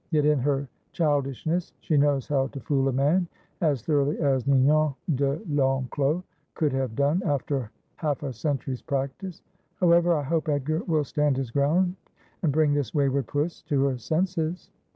Yet in her childishness she knows how to fool a man as thoroughly as Ninon de I'Enclos could have done after half a century's practice. However, I hope Edgar will stand his ground and bring this wayward puss to her senses.'